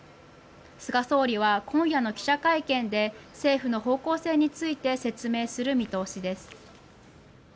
菅総理は今夜の記者会見で政府の方向性について説明する見通しです。